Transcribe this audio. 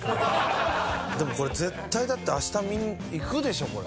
でもこれ絶対だって明日みんな行くでしょこれ。